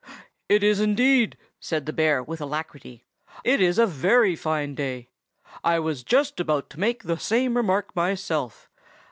"It is indeed!" said the bear with alacrity. "It is a very fine day. I was just about to make the same remark myself.